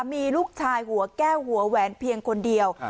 มีลูกชายหัวแก้วหัวแหวนเพียงคนเดียว